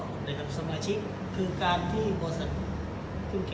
ลูลูกเป็นปัตส์สีเขียวแล้วก็มีโลโก้